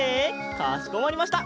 かしこまりました。